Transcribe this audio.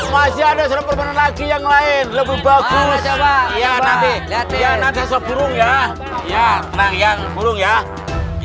masih ada sempurna lagi yang lain lebih bagus ya nanti seburung ya ya